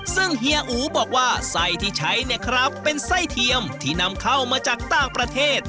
ซึ่งเฮียอูบอกว่าไส้ที่ใช้เนี่ยครับเป็นไส้เทียมที่นำเข้ามาจากต่างประเทศ